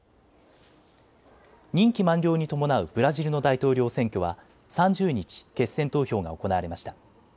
任期満了に伴うブラジルの大統領選挙は３０日、決選投票が行われました。